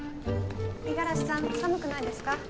五十嵐さん寒くないですか？